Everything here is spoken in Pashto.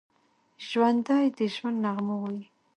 ژوندي د ژوند نغمه وايي